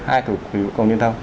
hai thủ khí vũ công liên thông